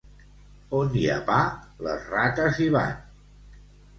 On hi ha pa, les rates hi van.